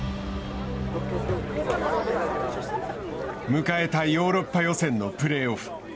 迎えたヨーロッパ予選のプレーオフ。